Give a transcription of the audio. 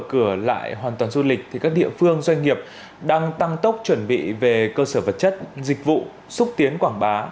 khi công bố mở cửa lại hoàn toàn du lịch các địa phương doanh nghiệp đang tăng tốc chuẩn bị về cơ sở vật chất dịch vụ xúc tiến quảng bá